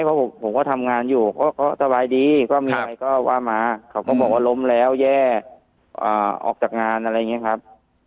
เพราะผมก็ทำงานอยู่ก็สบายดีก็มีอะไรก็ว่ามาเขาก็บอกว่าล้มแล้วแย่ออกจากงานอะไรอย่างนี้ครับ